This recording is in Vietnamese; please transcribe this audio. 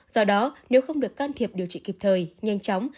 do đó nếu không được can thiệp điều trị kịp thời nhanh chóng